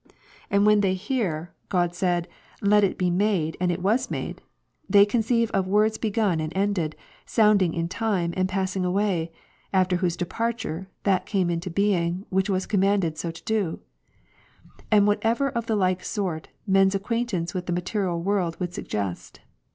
And when different degrees of truth, as each is able to bear. 271 • they hear, God said, Let it be made, and it was made ; they conceive of words begun and ended, sounding in time, and passing away; after whose departure, that came into being, which was commanded so to do ; and whatever of the like sort, men's acquaintance with the material world would suggest.